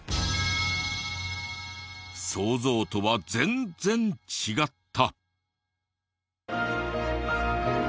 想像とは全然違った！